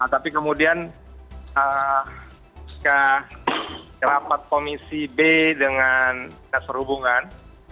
tapi kemudian ke rapat komisi b dengan tes perhubungan